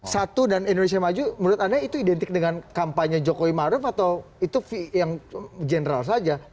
satu dan indonesia maju menurut anda itu identik dengan kampanye jokowi maruf atau itu yang general saja